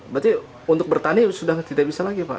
berarti untuk bertani sudah tidak bisa lagi pak